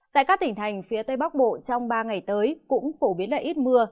tại các tỉnh thành phía tây bắc bộ trong ba ngày tới cũng phổ biến là ít mưa